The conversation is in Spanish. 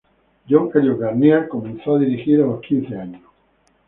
John Eliot Gardiner comenzó a dirigir a los quince años.